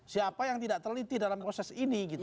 siapa yang tidak terliti dalam proses ini gitu